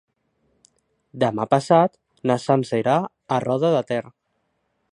Demà passat na Sança irà a Roda de Ter.